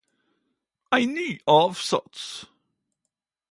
Ein ny avsats